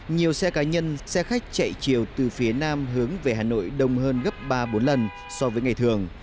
nhiều xe cá nhân xe khách chạy chiều từ phía nam hướng về hà nội đông hơn gấp ba bốn lần so với ngày thường